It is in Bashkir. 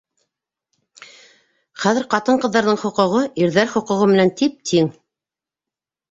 Хәҙер ҡатын-ҡыҙҙарҙың хоҡуғы ирҙәр хоҡуғы менән тип-тиң.